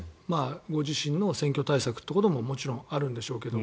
ご自身の選挙対策ということももちろんあるんでしょうけども。